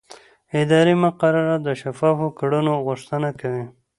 اداري مقررات د شفافو کړنو غوښتنه کوي.